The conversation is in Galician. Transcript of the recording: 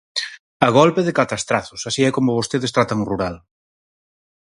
A golpe de catastrazos, así é como vostedes tratan o rural.